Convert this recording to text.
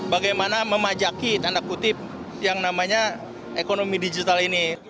bagaimana memajaki tanda kutip yang namanya ekonomi digital ini